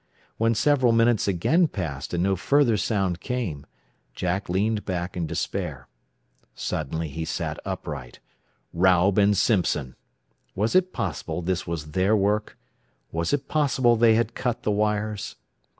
When several minutes again passed and no further sound came, Jack leaned back in despair. Suddenly he sat upright. Raub and Simpson! Was it possible this was their work? Was it possible they had cut the wires?